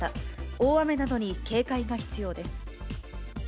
大雨などに警戒が必要です。